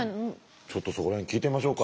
ちょっとそこら辺聞いてみましょうか。